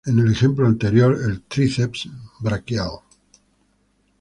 En el ejemplo anterior, el tríceps braquial.